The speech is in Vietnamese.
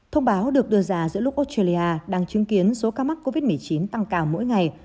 thông báo được đưa ra giữa lúc australia đang chứng kiến số ca mắc covid một mươi chín tăng cao mỗi ngày